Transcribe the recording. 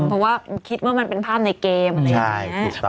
เพราะว่าคิดว่ามันเป็นภาพในเกม